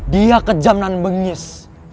dia kejam dan bengis